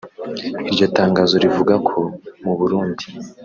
iryo tangazo rivuga ko mu Burundi